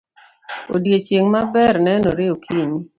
Odiochieng' maber nenore okinyi.